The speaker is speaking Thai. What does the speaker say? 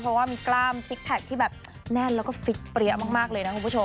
เพราะว่ามีกล้ามซิกแพคที่แบบแน่นแล้วก็ฟิตเปรี้ยมากเลยนะคุณผู้ชม